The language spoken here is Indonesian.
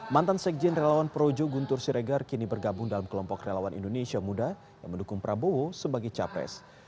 mantan sekjen relawan projo guntur siregar kini bergabung dalam kelompok relawan indonesia muda yang mendukung prabowo sebagai capres